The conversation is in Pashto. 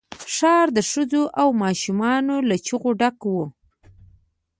ښار د ښځو او ماشومان له چيغو ډک وو.